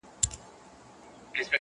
o کږه غاړه توره هم نسي وهلاى٫